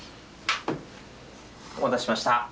お待たせしました。